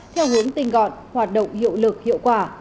theo hướng tinh gọn hoạt động hiệu lực hiệu quả